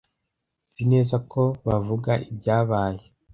Nzi neza ko bavuga ibyabaye.